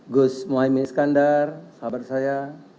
gus mohaimin iskandar sahabat saya